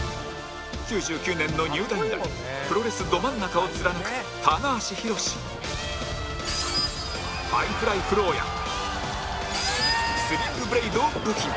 ９９年の入団以来プロレスど真ん中を貫くハイフライフローやスリングブレイドを武器に